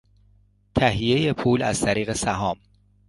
تهیهی پول از طریق سهام